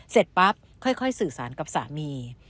เสร็จปั๊บค่อยสื่อสารกับสามี